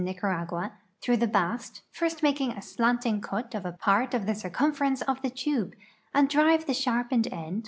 Nica" ragua) through tlie Ijast, first malving a slanting cut of a part of the circumference of the tul^e, and drive the sharpened end, 1?